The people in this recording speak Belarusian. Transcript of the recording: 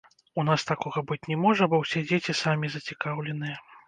У нас такога быць не можа, бо ўсе дзеці самі зацікаўленыя.